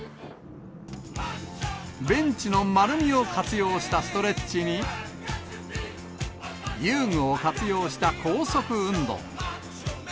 ベンチの丸みを活用したストレッチに、遊具を活用した高速運動。